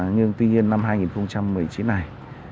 nhưng tuy nhiên năm hai nghìn một mươi chín này